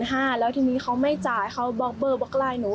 เดี๋ยวอีก๑๕๐๐๐แล้วทีนี้เขาไม่จ่ายเขาบอกเบอร์บล็อกไลน์หนู